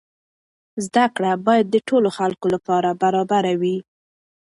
زده کړه باید د ټولو خلکو لپاره برابره وي.